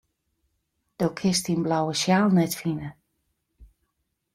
Do kinst dyn blauwe sjaal net fine.